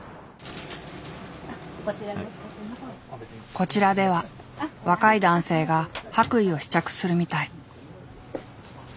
こちらでは若い男性が白衣を試着するみたい。